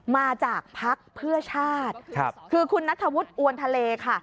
มาจากภักดิ์เพื่อชาติคือคุณนัทธวุฒิอวนทะเลค่ะ